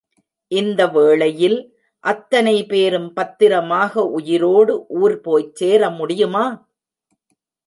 இந்த வேளையில், அத்தனைபேரும் பத்திரமாக உயிரோடு ஊர் போய் சேர முடியுமா?